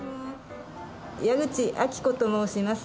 矢口祥子と申します。